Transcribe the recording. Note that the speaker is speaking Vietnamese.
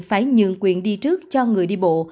phải nhường quyền đi trước cho người đi bộ